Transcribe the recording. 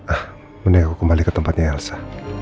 ah mendingan aku kembali ke tempatnya elsa